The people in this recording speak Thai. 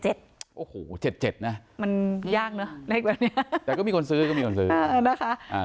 โอ้โห๗๗นะมันยากเนอะเลขแบบนี้แต่ก็มีคนซื้อก็มีคนซื้อนะคะ